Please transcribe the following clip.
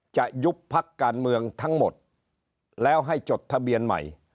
ยุบพักการเมืองทั้งหมดแล้วให้จดทะเบียนใหม่